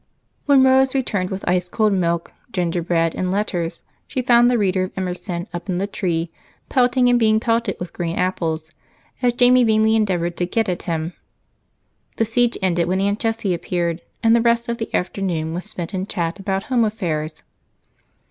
When Rose returned with ice cold milk, gingerbread, and letters, she found the reader of Emerson up in the tree, pelting and being pelted with green apples as Jamie vainly endeavored to get at him. The siege ended when Aunt Jessie appeared, and the rest of the afternoon was spent in chat about home affairs.